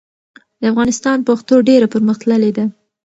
د افغانستان پښتو ډېره پرمختللې ده.